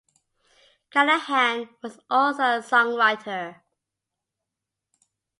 Callahan was also a songwriter.